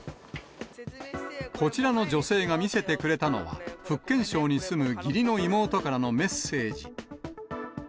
こちらの女性が見せてくれたのは、福建省に住む義理の妹からのメッセージ。